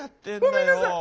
ごめんなさい。